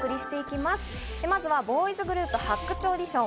まずはボーイズグループ発掘オーディション